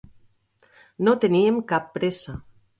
No teníem cap pressa.